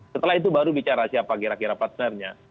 setelah itu baru bicara siapa kira kira partnernya